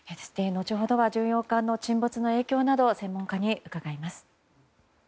後ほど巡洋艦の沈没など専門家に伺います。